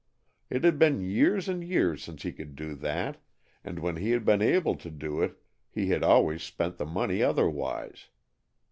It had been years and years since he could do that, and when he had been able to do it he had always spent the money otherwise.